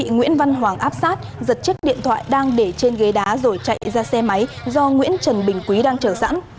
nguyễn văn hoàng áp sát giật chiếc điện thoại đang để trên ghế đá rồi chạy ra xe máy do nguyễn trần bình quý đang chở sẵn